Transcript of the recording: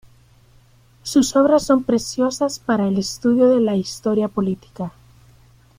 Sus obras son preciosas para el estudio de la historia política.